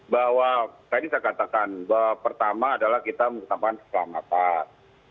bahwa tadi saya katakan pertama adalah kita mengutamakan keselamatan